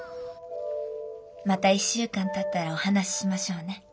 また１週間たったらお話ししましょうね。